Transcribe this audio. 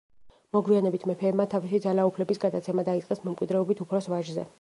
მოგვიანებით, მეფეებმა თავისი ძალაუფლების გადაცემა დაიწყეს მემკვიდრეობით უფროს ვაჟზე.